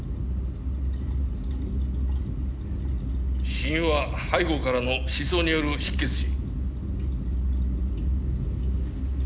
死因は背後からの刺創による失血死。